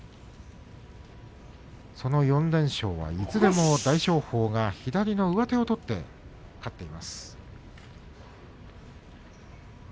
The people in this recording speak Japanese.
その４連勝はいずれも大翔鵬が左の上手を取って勝っています。